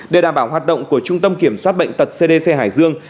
để đảm bảo hoạt động của trung tâm kiểm soát bệnh tật cdc hải dương